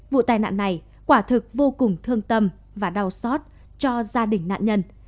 vụ tai nạn này quả thực vô cùng thương tâm và đau xót cho gia đình nạn nhân